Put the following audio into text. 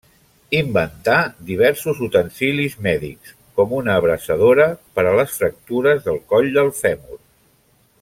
Inventà diversos utensilis mèdics, com una abraçadora per a les fractures del coll del fèmur.